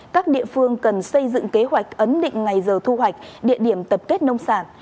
các địa phương cần xây dựng kế hoạch ấn định ngày giờ thu hoạch địa điểm tập kết nông sản